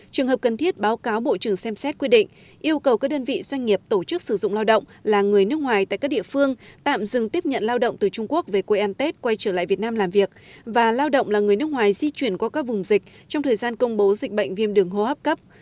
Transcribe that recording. trường hợp cần thiết báo cáo bộ trưởng xem xét quy định yêu cầu các đơn vị doanh nghiệp tổ chức sử dụng lao động là người nước ngoài tại các địa phương tạm dừng tiếp nhận lao động từ trung quốc về quê an tết quay trở lại việt nam làm việc và lao động là người nước ngoài di chuyển qua các vùng dịch trong thời gian công bố dịch bệnh viêm đường hô hấp cấp